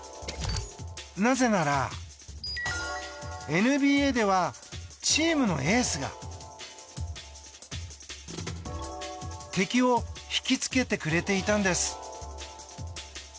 なぜならＮＢＡではチームのエースが敵を引きつけてくれていたんです。